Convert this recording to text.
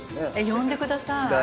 呼んでください。